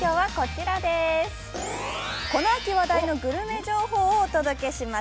この秋話題のグルメ情報をお届けします